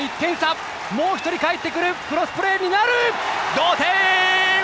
同点！